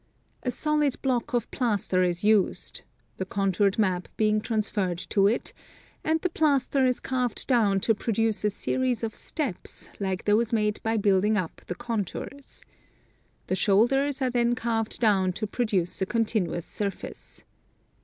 A solid block of plaster is used, — the contoured map being trans ferred to it — and the plaster is carved down to produce a series of steps like those made by building up the contours. The shoulders are then carved down to produce a continuous surface.